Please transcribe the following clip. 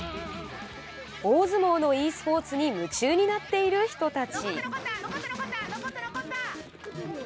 大相撲のｅスポーツに夢中になっている人たち。